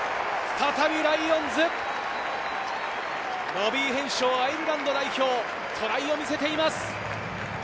再びライオンズ！ロビー・ヘンショウ、アイルランド代表、トライを見せています。